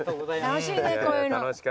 楽しいねこういうの。